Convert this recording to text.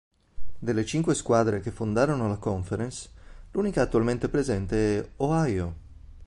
Delle cinque squadre che fondarono la conference l'unica attualmente presente è Ohio.